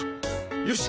よし！